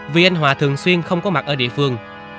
vì anh hòa thường xuyên không có mặt ở địa phương